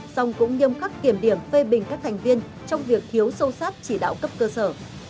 song cũng nghiêm khắc kiểm điểm phê bình các thành viên trong việc thiếu sâu sát chỉ đạo cấp cơ sở